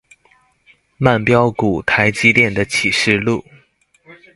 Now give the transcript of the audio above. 慢飆股台積電的啟示錄